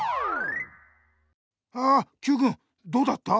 あＱくんどうだった？